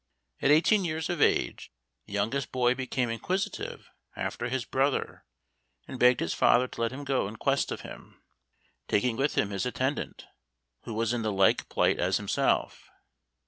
At eighteen years of age the youngest boy became inquisitive after his brother, and begged his father to let him go in quest of him, taking with him his attendant, who was in the like plight as himself.